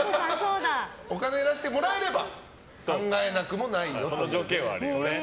お金を出してもらえれば考えなくもないよと。